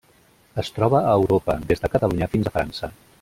Es troba a Europa: des de Catalunya fins a França.